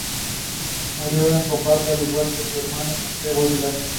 Murió en combate al igual que su hermano Santiago Aguilar.